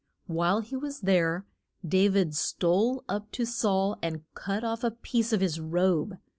While he was there Da vid stole up to Saul and cut off a piece of his robe.